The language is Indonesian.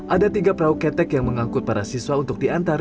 ada tiga perahu ketek yang mengangkut para siswa untuk diantar